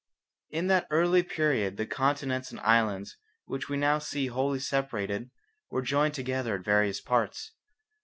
In that early period the continents and islands which we now see wholly separated were joined together at various points.